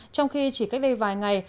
trong khi chỉ cách đây vài ngày